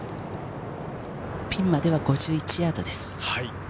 ピンまで５１ヤードです。